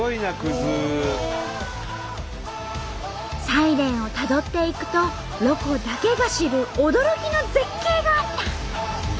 サイレンをたどっていくとロコだけが知る驚きの絶景があった！